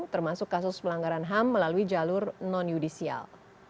termasuk kasus pelanggaran ham melalui jalur non yudisial